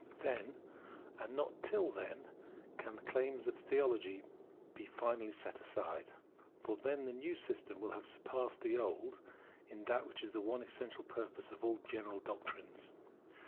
Then, and not till then, can the claims of theology be finally set aside. For then the new system will have surpassed the old in that which is the one essential purpose of all general doctrines.